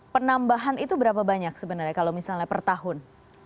penambahan itu berapa banyak sebenarnya kalau misalnya per tahun